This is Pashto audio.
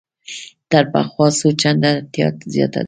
تر پخوا څو چنده اړتیا زیاته ده.